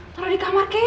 taro di kamar kek